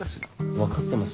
分かってます。